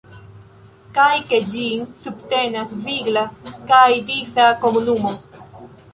Kaj ke ĝin subtenas vigla kaj disa komunumo.